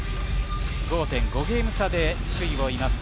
５．５ゲーム差で、首位にいます